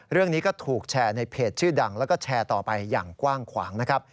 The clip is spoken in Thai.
เรื่องนี้ก็ถูกแชร์ในเพจชื่อดังแล้วก็แชร์ต่อไปอย่างกว้างขวางนะครับ